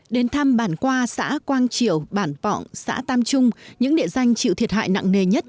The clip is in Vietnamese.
đến thăm bản qua xã quang triệu bản vọng xã tam trung những địa danh chịu thiệt hại nặng nề nhất